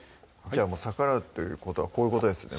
逆らうということはこういうことですよね